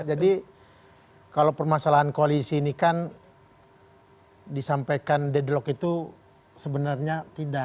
jadi kalau permasalahan koalisi ini kan disampaikan dedelok itu sebenarnya tidak